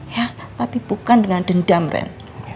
ya tapi bukan dengan dendam ren